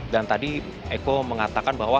dan tadi eko mengatakan bahwa